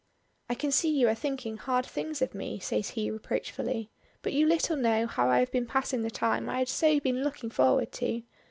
"I can see you are thinking hard things of me," says he reproachfully; "but you little know how I have been passing the time I had so been looking forward to.